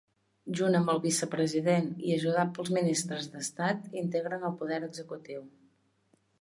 Junt amb el vicepresident i ajudat pels ministres d'estat integren el poder executiu.